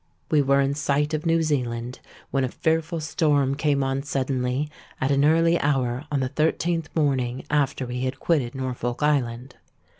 "We were in sight of New Zealand, when a fearful storm came on suddenly at an early hour on the thirteenth morning after we had quitted Norfolk Island.